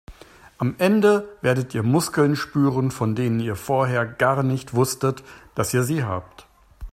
Am Ende werdet ihr Muskeln spüren, von denen ihr vorher gar nicht wusstet, dass ihr sie habt.